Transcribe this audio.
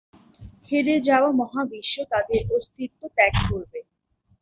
হেরে যাওয়া মহাবিশ্ব তাদের অস্তিত্ব ত্যাগ করবে।